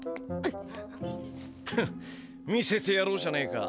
フッ見せてやろうじゃねえか。